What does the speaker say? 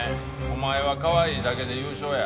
お前はかわいいだけで優勝や。